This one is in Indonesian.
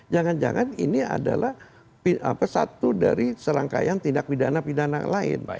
jangan jangan ini adalah satu dari serangkaian tindak pidana pidana lain